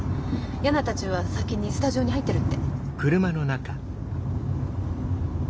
ヤナたちは先にスタジオに入ってるって。